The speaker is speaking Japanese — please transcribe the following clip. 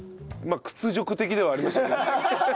屈辱的ではありましたけどね。